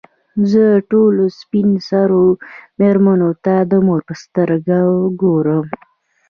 زه ټولو سپین سرو مېرمنو ته د مور په سترګو ګورم.